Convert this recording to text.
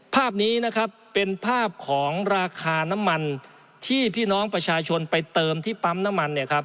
ภาพนี้นะครับเป็นภาพของราคาน้ำมันที่พี่น้องประชาชนไปเติมที่ปั๊มน้ำมันเนี่ยครับ